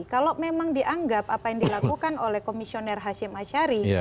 kalau memang dianggap apa yang dilakukan oleh komisioner hashim ashari